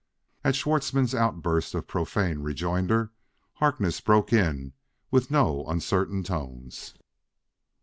At Schwartzmann's outburst of profane rejoinder, Harkness broke in with no uncertain tones.